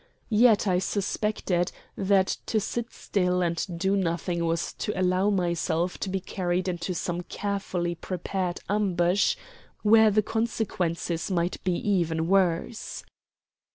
Yet I suspected that to sit still and do nothing was to allow myself to be carried into some carefully prepared ambush, where the consequences might be even worse.